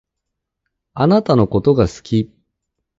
あなたのことが好き。